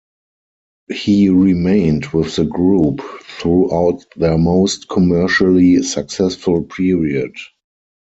He remained with the group throughout their most commercially successful period.